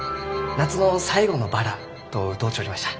「夏の最後のバラ」と歌うちょりました。